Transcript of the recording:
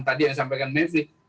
tadi yang disampaikan maverick